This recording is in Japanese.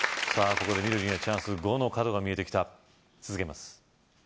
ここで緑にはチャンス５の角が見えてきた続けます